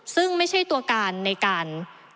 ซึ่งไม่ใช่ตัวการในการ